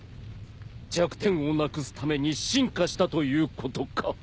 弱点をなくすために進化したということか。